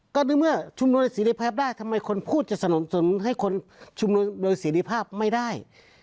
ก็ในเมื่อชุมนุมเสร็จภาพได้ทำไมคนพูดจะสนุนให้คนชุมนุมโดยเสร็จภาพไม่ได้